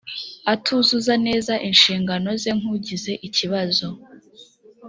atuzuza neza inshingano ze nk’ugize ikibazo